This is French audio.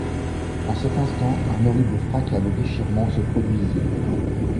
En cet instant, un horrible fracas de déchirement se produisit.